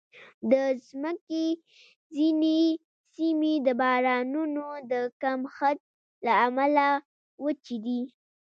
د مځکې ځینې سیمې د بارانونو د کمښت له امله وچې دي.